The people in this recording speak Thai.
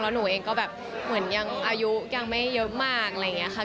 หนูเองก็แบบเหมือนยังอายุยังไม่เยอะมากอะไรอย่างนี้ค่ะ